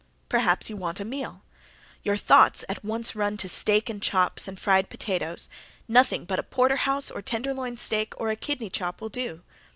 Perhaps you want a meal. Your thoughts at once run to steaks and chops, and fried potatoes. Nothing but a porterhouse or tenderloin steak or a kidney chop will do.